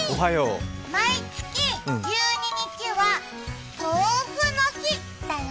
毎月１２日は豆腐の日だよ。